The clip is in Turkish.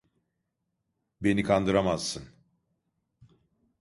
Beni kandıramazsın!